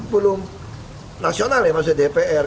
belum nasional ya maksudnya dpr